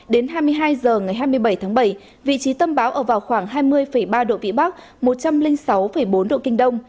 đến hai mươi hai h ngày hai mươi bảy tháng bảy vị trí tâm bão ở vào khoảng hai mươi ba độ vĩ bắc một trăm linh sáu bốn độ kinh đông